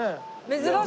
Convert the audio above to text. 珍しい！